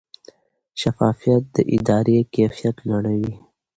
شفافیت د ادارې کیفیت لوړوي.